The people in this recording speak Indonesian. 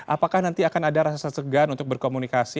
apakah nanti akan ada rasa segan untuk berkomunikasi